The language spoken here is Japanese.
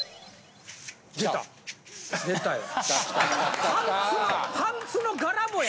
出たよ。